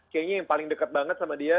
kayaknya yang paling dekat banget sama dia